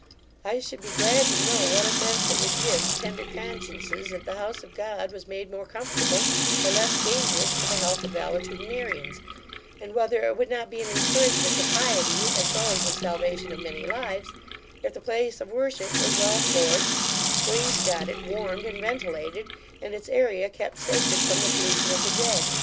I should be glad to know, what offence it would give to tender consciences, if the house of God was made more comfortable, or less dangerous to the health of valetudinarians; and whether it would not be an encouragement to piety, as well as the salvation of many lives, if the place of worship was well floored, wainscotted, warmed, and ventilated, and its area kept sacred from the pollution of the dead.